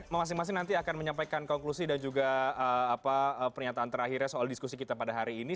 masing masing nanti akan menyampaikan konklusi dan juga pernyataan terakhirnya soal diskusi kita pada hari ini